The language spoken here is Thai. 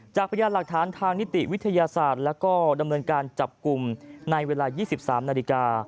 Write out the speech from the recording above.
พยานหลักฐานทางนิติวิทยาศาสตร์แล้วก็ดำเนินการจับกลุ่มในเวลา๒๓นาฬิกา